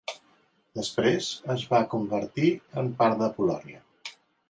Després es va convertir en part de Polònia.